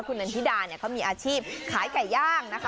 คุณนันทิดาเนี่ยเขามีอาชีพขายไก่ย่างนะคะ